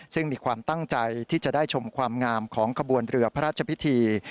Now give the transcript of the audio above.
ซึ่งมีความตั้งใจที่จะได้ชมความงามของขบวนเรือพระราชพิธี